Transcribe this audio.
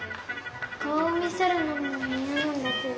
顔を見せるのもいやなんだけど。